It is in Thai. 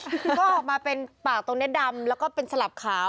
ก็ออกมาเป็นปากตรงนี้ดำแล้วก็เป็นสลับขาว